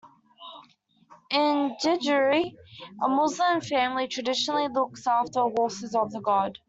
In Jejuri, a Muslim family traditionally looks after the horses of the god.